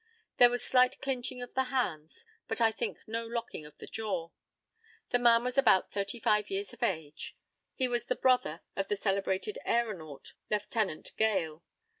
There was slight clinching of the hands, but I think no locking of the jaw. The man was about thirty five years of age. He was the brother of the celebrated æronaut, Lieutenant Gale.